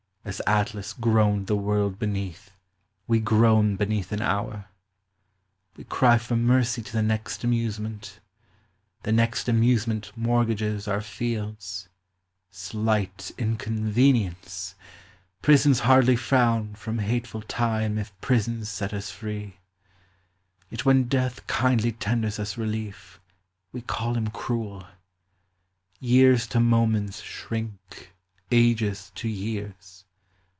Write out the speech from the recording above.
As Atlas groaned The world beneath, we groan beneath an hour. We cry for mercy to the next amusement : The next amusement mortgages our fields ; Slight inconvenience ! prisons hardly frown, From hateful Time if prisons set us free. Yet when Death kindly tenders us relief, We call him cruel ; years to moments shrink, Ages to years.